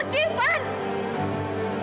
kamu pergi van